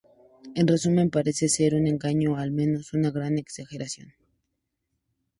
En resumen, parece ser un engaño o al menos una gran exageración".